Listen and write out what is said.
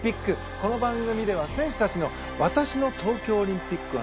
この番組では選手たちの「私の東京オリンピックはなんなのか」。